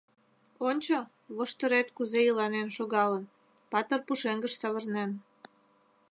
Ончо, воштырет кузе иланен шогалын, патыр пушеҥгыш савырнен.